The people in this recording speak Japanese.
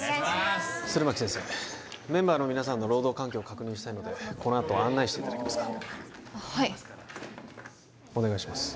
弦巻先生メンバーの皆さんの労働環境を確認したいのでこのあと案内していただけますかあはいお願いします